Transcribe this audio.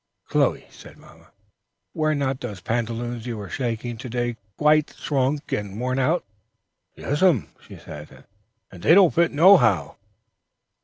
"Chloe," said mamma, "were not those pantaloons you were shaking to day quite shrunk and worn out?" "Yes, ma'am," said she; "and they don't fit nohow.